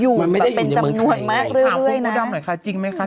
อยู่แบบเป็นจำนวนมากเรื่อยนะคุณผู้ดำหน่อยค่ะจริงไหมคะ